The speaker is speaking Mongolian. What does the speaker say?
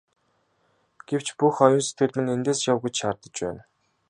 Гэвч бүх оюун сэтгэл минь эндээс яв гэж шаардаж байна.